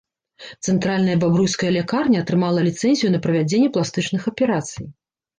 Цэнтральная бабруйская лякарня атрымала ліцэнзію на правядзенне пластычных аперацый.